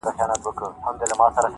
• چي ښکاري موږکان ټوله و لیدله..